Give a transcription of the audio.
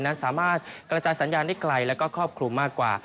นั้นสามารถกระจายสัญญาณได้ไกลแล้วก็ครอบคลุมมากกว่า